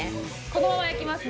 このまま焼きます